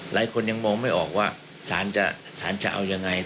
หลายคนยังมองไม่ออกว่าสารจะเอายังไง